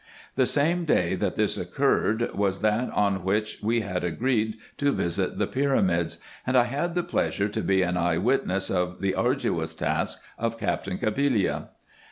The same day that this occurred, was that on which we had agreed to visit the pyramids, and I had the pleasure to be an eye witness of the arduous task of Captain Cabillia.